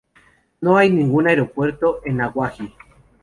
No hay ningún aeropuerto en Awaji.